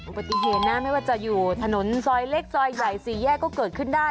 ปฏิเหตุนะไม่ว่าจะอยู่ถนนซอยเล็กซอยใหญ่สี่แยกก็เกิดขึ้นได้